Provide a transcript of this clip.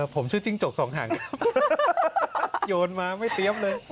ผมชื่อจิ้งจกสองแห่งโยนมาไม่เตรียมเลย